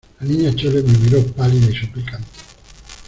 la Niña Chole me miró pálida y suplicante: